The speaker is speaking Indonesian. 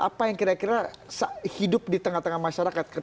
apa yang kira kira hidup di tengah tengah masyarakat